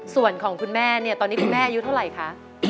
ส่วนของคุณแม่เนี่ยตอนนี้คุณแม่อายุเท่าไหร่คะ